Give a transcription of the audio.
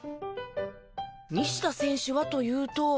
西田選手はというと。